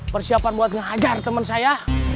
persiapan buat ngehajar temen saya